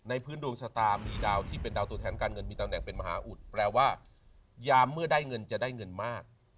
พื้นดวงชะตามีดาวที่เป็นดาวตัวแทนการเงินมีตำแหน่งเป็นมหาอุดแปลว่ายามเมื่อได้เงินจะได้เงินมาก